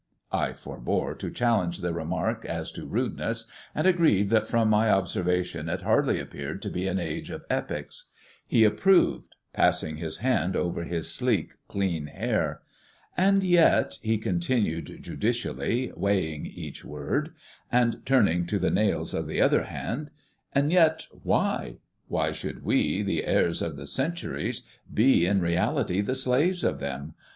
I forbore to challenge the remark as to rudeness, and agreed that from my observation it hardly appeared to be an age of epics. He approved, passing his hand over his sleek, clean hair. "And yet," he continued, judicially weighing each word, and turning to the nails of the other hand, "and yet why? Why should we, the heirs of the centuries, be in reality the slaves of them?